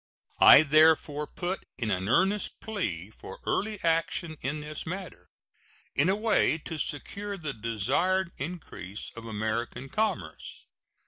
I therefore put in an earnest plea for early action in this matter, in a way to secure the desired increase of American commerce.